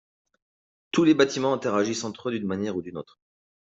Tous les bâtiments interagissent entre eux d'une manière ou d'une autre.